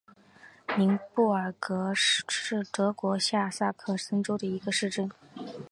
宁布尔格是德国下萨克森州的一个市镇。